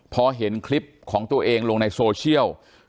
พอเห็นคลิปของตัวเองลงในโซเชียล